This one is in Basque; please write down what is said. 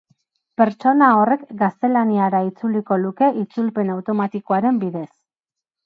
Pertsona horrek gaztelaniara itzuliko luke itzulpen automatikoaren bidez.